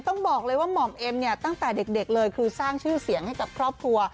ต้องบอกเลยว่าหม่อมเอ็มเนี่ยตั้งแต่เด็กเลยคือสร้างชื่อเสียงให้กับครอบครัว